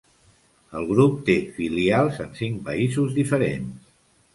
El grup té filials en cinc països diferents: